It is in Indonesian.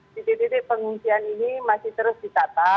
titik titik pengungsian ini masih terus ditata